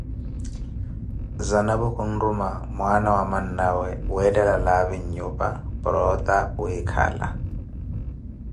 Zanapo khunruma mwana wa mannawe weettela laavi nyupa para ota wiikhalela